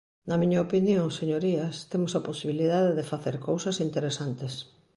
Na miña opinión, señorías, temos a posibilidade de facer cousas interesantes.